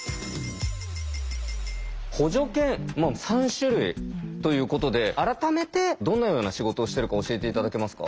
補助犬３種類ということで改めてどのような仕事をしてるか教えて頂けますか。